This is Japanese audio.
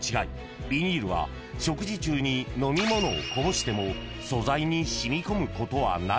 ビニールは食事中に飲み物をこぼしても素材に染み込むことはない］